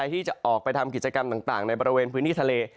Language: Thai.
ที่จะออกไปทำกิจกรรมต่างในบริเวณพื้นที่ทะเล